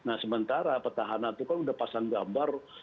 nah sementara petahana itu kan udah pasang gambar tujuh puluh lima tahun yang lalu